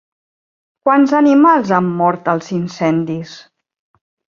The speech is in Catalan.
Quants animals han mort als incendis?